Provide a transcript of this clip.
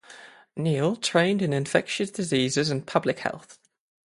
Neal trained in infectious diseases and public health.